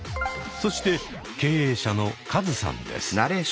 そして経営者のカズさんです。